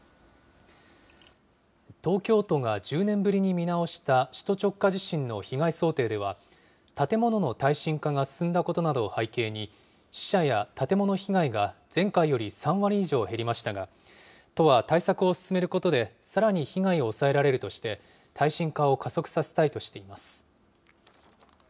東京都が１０年ぶりに見直した首都直下地震の被害想定では、建物の耐震化が進んだことなどを背景に、死者や建物被害が前回より３割以上減りましたが、都は対策を進めることで、さらに被害を抑えられるとして、耐震化を加速させたいとしています。